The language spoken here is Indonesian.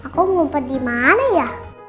aku ngumpet dimana ya